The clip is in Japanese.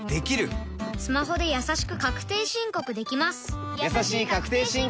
スマホでやさしく確定申告できます